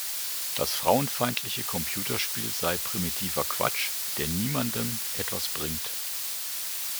Das „frauenfeindliche“ Computerspiel sei primitiver „Quatsch, der niemandem etwas bringt“.